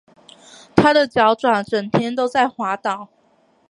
它的脚爪整天都在滑倒